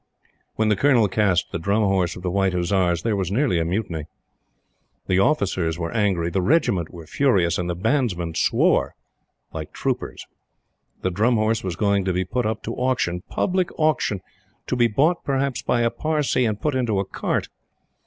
When the Colonel cast the Drum horse of the White Hussars, there was nearly a mutiny. The officers were angry, the Regiment were furious, and the Bandsman swore like troopers. The Drum Horse was going to be put up to auction public auction to be bought, perhaps, by a Parsee and put into a cart!